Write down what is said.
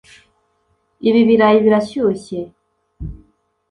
ibi birayi birashyushye.